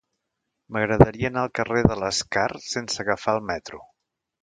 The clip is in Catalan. M'agradaria anar al carrer de l'Escar sense agafar el metro.